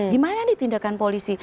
gimana nih tindakan polisi